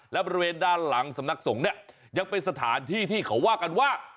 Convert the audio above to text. และบริเวณด้านหลังสำนักสงฆ์เนี่ยยังเป็นสถานที่ที่เขาว่ากันว่า